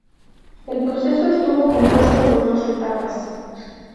El proceso estuvo compuesto por dos etapas.